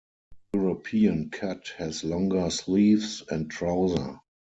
European Cut has longer sleeves and trouser.